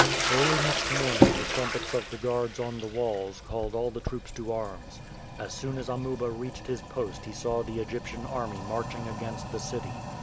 Early next morning the trumpets of the guards on the walls called all the troops to arms. As soon as Amuba reached his post he saw the Egyptian army marching against the city.